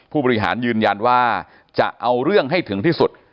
ผู้บริหารยืนยันว่าจะเอาเรื่องให้ถึงที่สุด